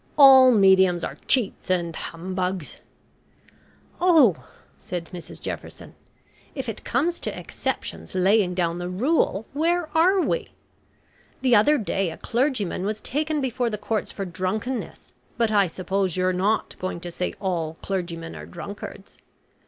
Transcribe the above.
"All mediums are cheats and humbugs." "Oh!" said Mrs Jefferson. "If it comes to exceptions laying down the rule, where are we? The other day a clergyman was taken before the courts for drunkenness, but I suppose you're not going to say all clergymen are drunkards.